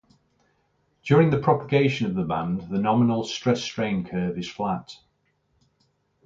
During the propagation of the band the nominal stress-strain curve is flat.